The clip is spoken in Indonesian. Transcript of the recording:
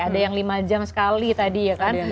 ada yang lima jam sekali tadi ya kan